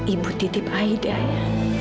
ibu titip aida ya